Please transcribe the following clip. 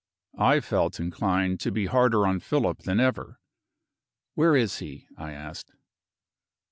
I felt inclined to be harder on Philip than ever. "Where is he?" I asked.